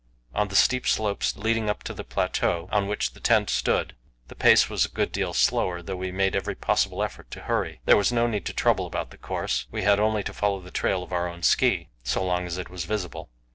On the steep slopes leading up to the plateau on which the tent stood the pace was a good deal slower, though we made every possible effort to hurry. There was no need to trouble about the course; we had only to follow the trail of our own ski so long as it was visible.